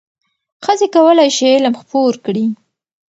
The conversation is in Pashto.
ښځې کولای شي علم خپور کړي.